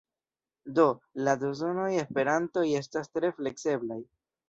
Do, la sonoj de esperanto estas tre flekseblaj.